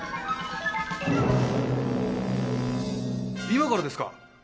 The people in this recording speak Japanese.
今からですか？